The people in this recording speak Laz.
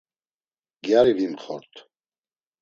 Gyari vimxort.